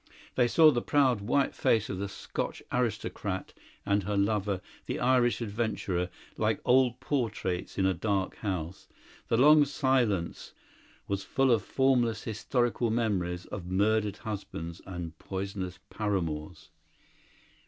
They saw the proud, white face of the Scotch aristocrat and her lover, the Irish adventurer, like old portraits in a dark house. The long silence was full of formless historical memories of murdered husbands and poisonous paramours.